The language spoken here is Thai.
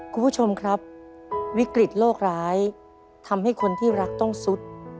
คุณผู้ชมครับวิกฤตโรคร้ายทำให้คนที่รักต้องสุด